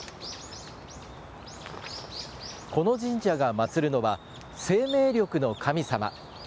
この神社が祭るのは、生命力の神様。